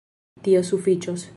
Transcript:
Tio sufiĉos.